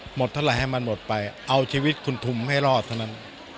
หมดเท่าไหร่ให้มันหมดไปเอาชีวิตคุณทุมให้รอดเท่านั้น